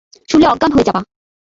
শুনলে অজ্ঞান হয়ে যাবা।